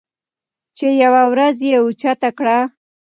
چې يوه وروځه یې اوچته کړه